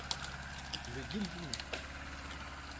Le Guilvinec.